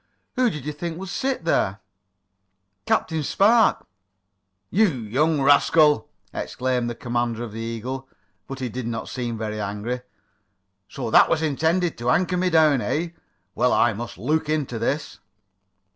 Who did you think would sit there?" "Captain Spark!" "You young rascal!" exclaimed the commander of the Eagle, but he did not seem very angry. "So that was intended to anchor me down, eh? Well, I must look into this."